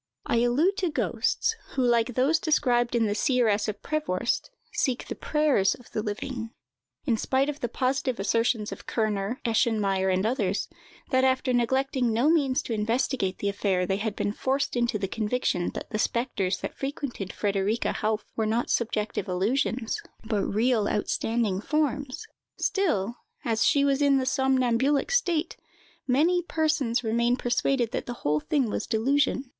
I allude to ghosts, who, like those described in the "Seeress of Prevorst," seek the prayers of the living. In spite of the positive assertions of Kerner, Eschenmayer, and others, that after neglecting no means to investigate the affair, they had been forced into the conviction that the spectres that frequented Frederica Hauffe were not subjective illusions, but real outstanding forms, still, as she was in the somnambulic state, many persons remain persuaded that the whole thing was delusion.